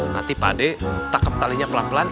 nanti pade takam talinya pelan pelan